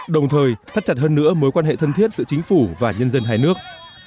đồng thời thắt chặt hơn nữa mối quan hệ thân thiết giữa chính phủ và nhân dân hai nước